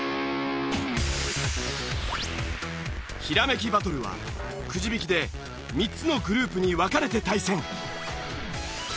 ひらめきバトルはくじ引きで３つのグループに分かれて対戦。